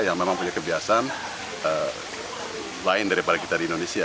yang memang punya kebiasaan lain daripada kita di indonesia